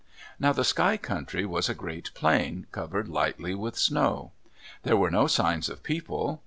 Now the Sky Country was a great plain, covered lightly with snow. There were no signs of people.